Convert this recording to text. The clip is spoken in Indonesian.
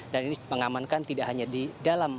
ini mengamankan tidak hanya di dalam